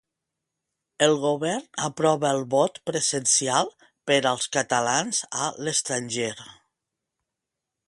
El govern aprova el vot presencial per als catalans a l'estranger.